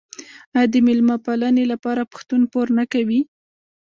آیا د میلمه پالنې لپاره پښتون پور نه کوي؟